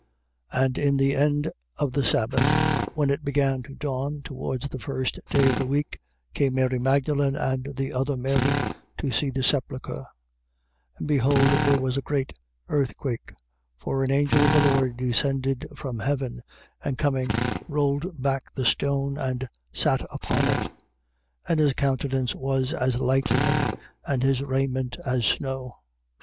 28:1. And in the end of the sabbath, when it began to dawn towards the first day of the week, came Mary Magdalen and the other Mary, to see the sepulchre. 28:2. And behold there was a great earthquake. For an angel of the Lord descended from heaven and coming rolled back the stone and sat upon it. 28:3. And his countenance was as lightning and his raiment as snow.